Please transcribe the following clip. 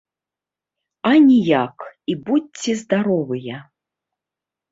А ніяк, і будзьце здаровыя.